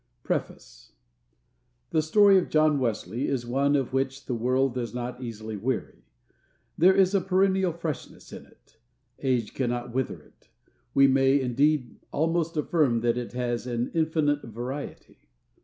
PREFACE. THE Story of John Wesley is one of which the world does not easily weary. There is perennial freshness in it. "Age cannot wither it." We may indeed almost affirm that it has an "infinite variety."